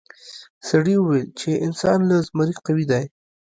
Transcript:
سړي وویل چې انسان له زمري قوي دی.